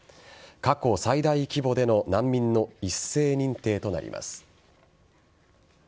過去最大規模での難民の一斉認定となります。